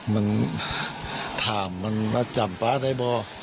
มันถามมันมาจำป๊าได้บ่